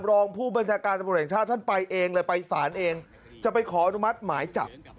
รองผู้บัญชาการตำรวจแห่งชาติท่านไปเองเลยไปศาลเองจะไปขออนุมัติหมายจับ